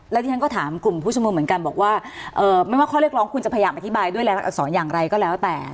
แล้วที่ฉันก็ถามกลุ่มผู้ชมนุมเหมือนกันบอกว่าไม่ว่าข้อเรียกร้องคุณจะพยายามอธิบายด้วยรายอักษรอย่างไรก็แล้วแต่